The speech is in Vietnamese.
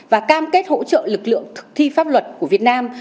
và cam kết hỗ trợ lực lượng thực thi pháp luật của việt nam